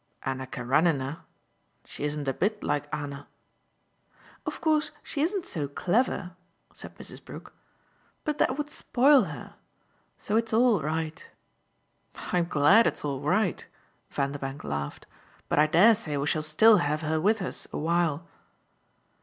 "Anna Karenine? She isn't a bit like Anna." "Of course she isn't so clever," said Mrs. Brook. "But that would spoil her. So it's all right." "I'm glad it's all right," Vanderbank laughed. "But I dare say we shall still have her with us a while."